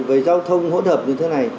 về giao thông hỗn hợp như thế này